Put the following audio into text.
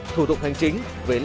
thủ tục hành chính